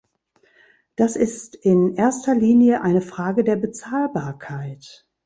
Das ist in erster Linie eine Frage der Bezahlbarkeit.